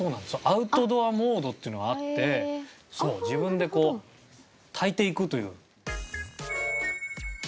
アウトドアモードっていうのがあって自分でこう焚いていくという。